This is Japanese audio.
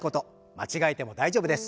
間違えても大丈夫です。